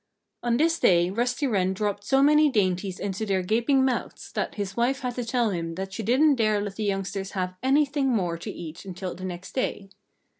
On this day Rusty Wren dropped so many dainties into their gaping mouths that his wife had to tell him that she didn't dare let the youngsters have anything more to eat until the next day.